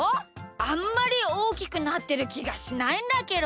あんまりおおきくなってるきがしないんだけど。